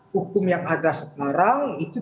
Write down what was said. hukum yang ada sekarang itu